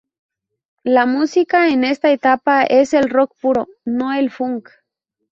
La música en esta etapa es el rock puro, no el funk.